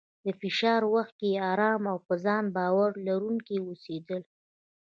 د فشار وخت کې ارام او په ځان باور لرونکی اوسېدل،